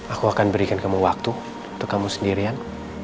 aku akan berikan kamu waktu untuk kamu sendirian